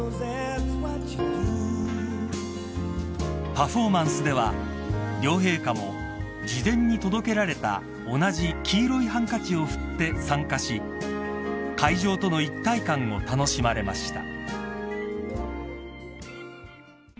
［パフォーマンスでは両陛下も事前に届けられた同じ黄色いハンカチを振って参加し会場との一体感を楽しまれました］